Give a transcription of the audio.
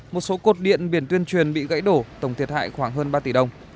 một số cột điện biển tuyên truyền bị gãy đổ tổng thiệt hại khoảng hơn ba tỷ đồng